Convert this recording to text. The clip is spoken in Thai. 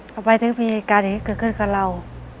ทำไมถึงมีการให้เกิดขึ้นกับเรา